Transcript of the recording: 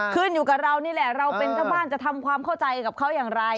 ขึ้นอยู่กับเรานี่แหละเราเป็นเจ้าบ้านจะทำความเข้าใจกับเขาอย่างไร